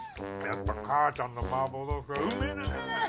やっぱ母ちゃんのマーボー豆腐はうめえな！